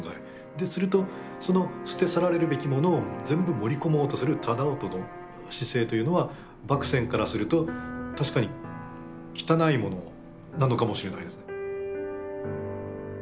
するとその捨て去られるべきものを全部盛り込もうとする楠音の姿勢というのは麦僊からすると確かに穢いものなのかもしれないですね。